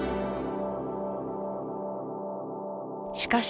しかし